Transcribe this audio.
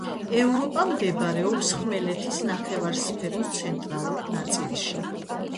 ევროპა მდებარეობს ხმელეთის ნახევარსფეროს ცენტრალურ ნაწილში.